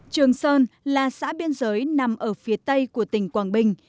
trường sơn là xã biên giới nằm ở phía tây của tỉnh quảng bình